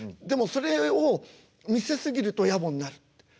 でもそれを見せ過ぎるとやぼになるって。